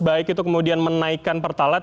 baik itu kemudian menaikkan pertalat